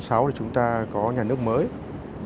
sau đó thì chương trình giáo dục được áp dụng